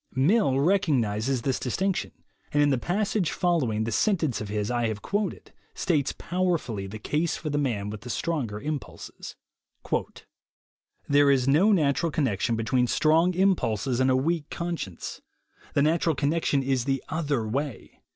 Mill recognizes this distinction, and in the passage following the sentence of his I have quoted, states powerfully the case for the man with stronger impulses : "There is no natural connection between strong impulses and a weak conscience. The natural connection is the other way.